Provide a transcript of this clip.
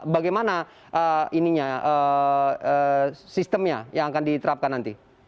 bagaimana sistemnya yang akan diterapkan nanti